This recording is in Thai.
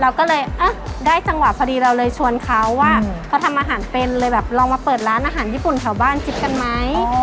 เราก็เลยได้จังหวะพอดีเราเลยชวนเขาว่าเขาทำอาหารเป็นเลยแบบลองมาเปิดร้านอาหารญี่ปุ่นแถวบ้านคิดกันไหม